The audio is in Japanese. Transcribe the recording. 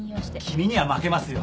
君には負けますよ。